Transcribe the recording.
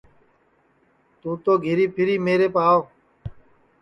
توں تو گھیری پھیر میرے کن آو